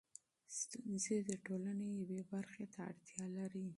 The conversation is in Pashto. مشکلونه د ټولنې یوې برخې ته اړتيا لري.